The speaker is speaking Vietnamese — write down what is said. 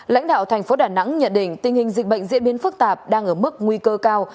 lãnh đạo thành phố đà nẵng nhận định tình hình dịch bệnh diễn biến phức tạp đang ở mức nguy cơ cao